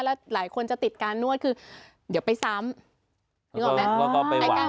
แล้วหลายคนจะติดการนวดคือเดี๋ยวไปซ้ำ